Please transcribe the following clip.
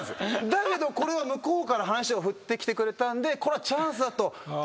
だけどこれは向こうから話を振ってきてくれたんでこれはチャンスだと思って説得。